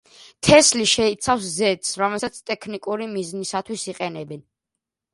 თესლი შეიცავს ზეთს, რომელსაც ტექნიკური მიზნისათვის იყენებენ.